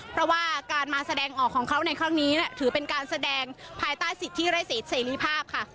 เพราะว่าการมาแสดงออกของเขาในครั้งนี้ถือเป็นการแสดงภายใต้สิทธิไร่เสรีภาพค่ะ